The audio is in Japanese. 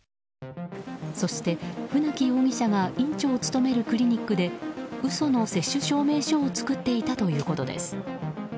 そして、船木容疑者が院長を務めるクリニックで嘘の接種証明書を作っていたということです。